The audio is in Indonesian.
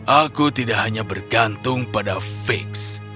aku tidak hanya bergantung pada fix